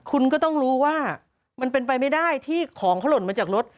คุณก็ต้องรู้ว่ามันเป็นไปไม่ได้ที่ของเขาหล่นมาจากรถ